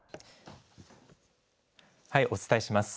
お伝えします。